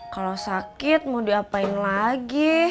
kalau sakit mau diapain lagi